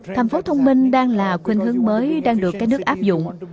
thành phố thông minh đang là khuyên hướng mới đang được các nước áp dụng